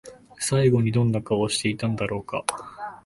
最後にどんな顔をしていたんだろうか？